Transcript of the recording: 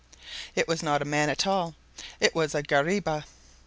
It was not a man at all, it was a "guariba."